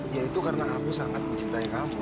ya itu karena aku sangat mencintai kamu